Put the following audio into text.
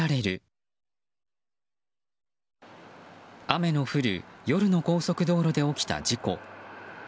雨の降る夜の高速道路で起きた事故。